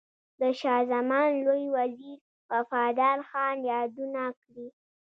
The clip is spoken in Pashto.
د شاه زمان لوی وزیر وفادار خان یادونه کړې.